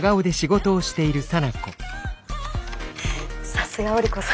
さすが織子さん。